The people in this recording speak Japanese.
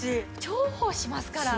重宝しますから。